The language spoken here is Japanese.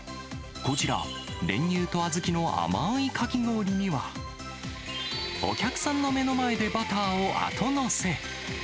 こちら、練乳と小豆の甘ーいかき氷には、お客さんの目の前でバターを後載せ。